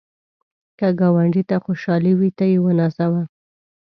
که ګاونډي ته خوشحالي وي، ته یې ونازوه